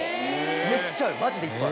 めっちゃあるマジでいっぱい。